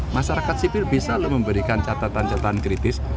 masyarakat sipil bisa memberikan catatan catatan kritis